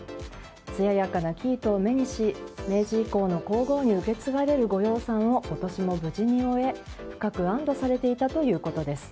つややかな生糸を目にし明治以降の皇后に受け継がれる御養蚕を今年も無事に終え、深く安堵されていたということです。